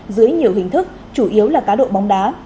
dưới nhiều hình thức chủ yếu là cá độ bóng đá